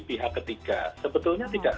pihak ketiga sebetulnya tidak